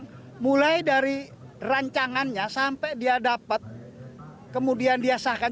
nah mulai dari rancangannya sampai dia dapat kemudian dia sahkan